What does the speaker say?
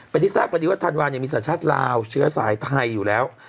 เป็นที่ทราบกันดีว่าธันวาลมีสัญชาติลาวเชื้อสายไทยอยู่แล้ว